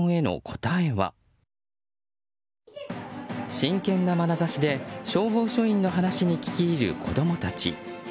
真剣なまなざしで消防署員の話に聞き入る小学生たち。